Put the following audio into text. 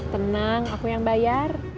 tenang aku yang bayar